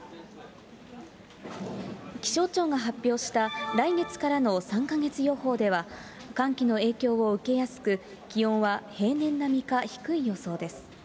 気象庁が発表した来月からの３か月予報では、寒気の影響を受けやすく、気温は平年並みか低い予想です。